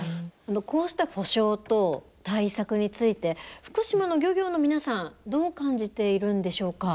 こうした補償と対策について福島の漁業の皆さんどう感じているんでしょうか。